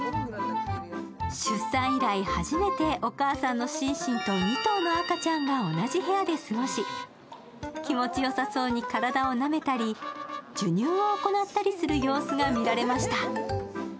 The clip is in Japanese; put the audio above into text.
出産以来初めてお母さんのシンシンと２頭の赤ちゃんが同じ部屋で過ごし気持ちよさそうに体をなめたり授乳を行ったりする様子が見られました。